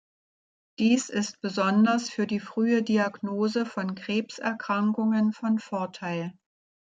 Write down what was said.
Dies ist besonders für die frühe Diagnose von Krebserkrankungen von Vorteil.